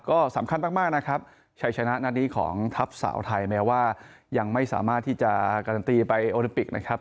ก็สำคัญมากนะครับชัยชนะนัดนี้ของทัพสาวไทยแม้ว่ายังไม่สามารถที่จะการันตีไปโอลิมปิกนะครับ